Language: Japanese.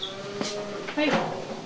はい。